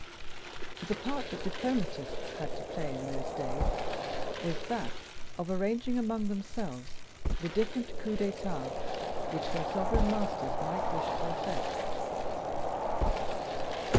The part that diplomatists had to play in those days was that of arranging among themselves the different coups d'etat which their sovereign masters might wish to effect.